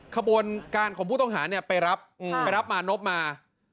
ขบวนการของผู้ต้องหาไปรับมานบมา